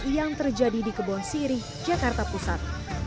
yang terjadi di kebon sirih jakarta pusat